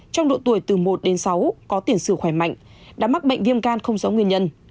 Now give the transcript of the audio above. trong độ tuổi từ một đến sáu có tiền sử khỏe mạnh đã mắc bệnh viêm gan không rõ nguyên nhân